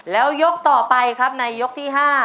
แล้วยกต่อไปครับในยกที่๕